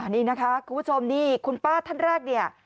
นี่นะคะคุณผู้ชมนี่คุณป้าท่านแรกเนี่ย